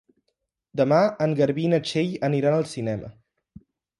Demà en Garbí i na Txell aniran al cinema.